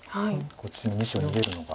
こっちの２子を逃げるのが。